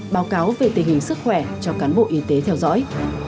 báo cáo về tình hình sức khỏe cho cán bộ y tế theo dõi